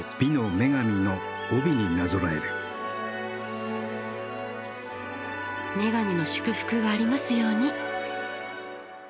女神の祝福がありますように。